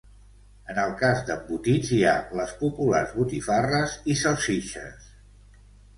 En el cas d'embotits hi ha les populars botifarres i salsitxes.